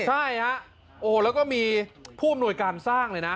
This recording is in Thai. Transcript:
ใช่ฮะโอ้แล้วก็มีผู้อำนวยการสร้างเลยนะ